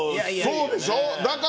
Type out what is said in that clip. そうでしょう？